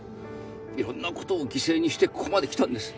いろんな事を犠牲にしてここまできたんです。